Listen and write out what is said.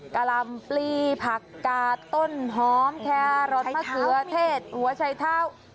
กะลำปลีผักกาต้นหอมแครอสมะเขือเทศหัวชัยเท้า